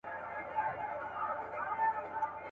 ورته پسونه او نذرونه راځي ..